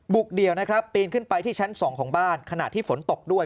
เดี่ยวนะครับปีนขึ้นไปที่ชั้น๒ของบ้านขณะที่ฝนตกด้วย